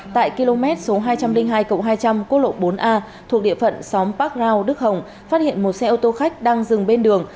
tại km số hai trăm linh hai hai trăm linh quốc lộ bốn a thuộc địa phận xóm park rao đức hồng phát hiện một xe ô tô khách đang dừng bên đường